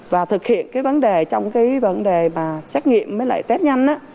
và thực hiện cái vấn đề trong cái vấn đề mà xét nghiệm với lại test nhanh á